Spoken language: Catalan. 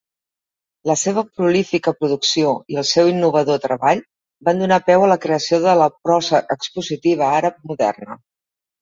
La seva prolífica producció i el seu innovador treball van donar peu a la creació de la prosa expositiva àrab moderna.